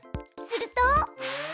すると。